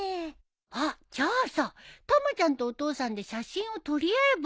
あっじゃあさたまちゃんとお父さんで写真を撮り合えば？